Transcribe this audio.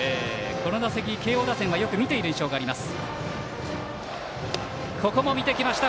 この打席、慶応打線はよく見ている印象があります。